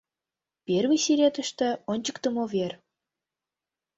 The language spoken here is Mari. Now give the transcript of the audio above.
Первый сӱретыште ончыктымо вер.